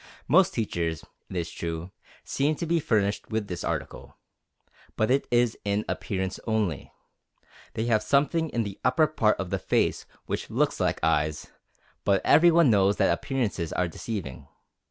Most teachers, it is true, seem to be furnished with this article. But it is in appearance only. They have something in the upper part of the face which looks like eyes, but every one knows that appearances are deceiving.